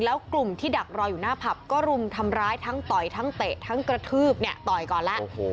แล้วกลุ่มที่ดักรออยู่หน้าผับก็รุมทำร้ายทั้งต่อยทั้งเตะทั้งกระทืบเนี่ยต่อยก่อนแล้ว